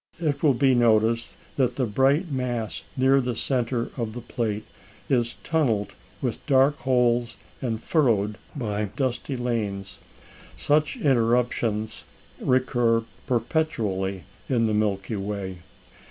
It will be noticed that the bright mass near the centre of the plate is tunnelled with dark holes and furrowed by dusky lanes. Such interruptions recur perpetually in the Milky Way.